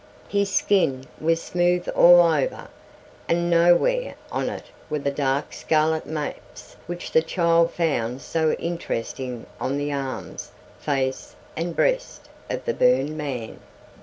His skin was smooth all over, and nowhere on it were the dark scarlet maps which the child found so interesting on the arms, face, and breast of the burned man.